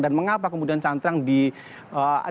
dan mengapa kemudian cantrang dinilai oleh kementerian